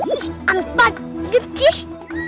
ih ampat gecih